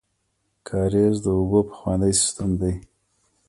کاریز د اوبو پخوانی سیستم دی